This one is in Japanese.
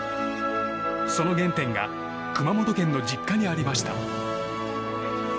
その原点が熊本県の実家にありました。